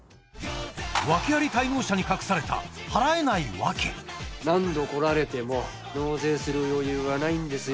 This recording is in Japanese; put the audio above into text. ワケあり滞納者に隠された払えないワケ何度来られても納税する余裕はないんですよ。